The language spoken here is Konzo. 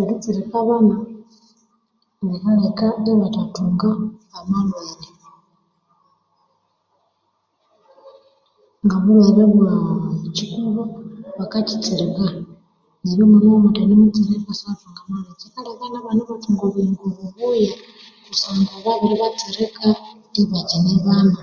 Eritsirika abana likaleka ibathathunga amalhwere ngo'obulhwere bwa ekyikuba bakakyitsirika neryo omwana wamathendimutsirika akathunga amalhwere, kyikaleka nabana ibathunga obuyingo bubuya kusangwa babiribatsirika ibakyine bana.